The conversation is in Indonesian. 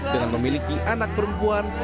dengan memiliki anak perempuan